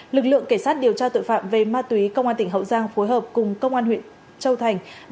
lực lượng cảnh sát điều tra tội phạm về ma túy công an tỉnh hậu giang phối hợp cùng công an huyện châu thành